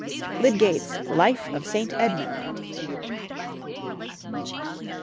Lydgate's 'Life of St. Edmund.'